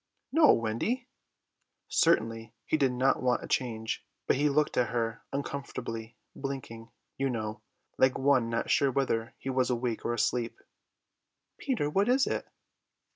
"No, Wendy." Certainly he did not want a change, but he looked at her uncomfortably, blinking, you know, like one not sure whether he was awake or asleep. "Peter, what is it?"